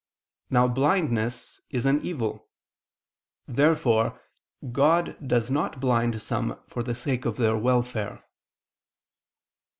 Now blindness is an evil. Therefore God does not blind some for the sake of their welfare.